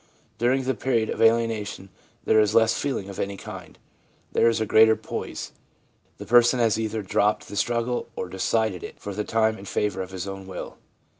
During the period of alienation there is less feeling of any kind. There is greater poise. The person has either dropped the struggle or decided it for the time in favour of his own will.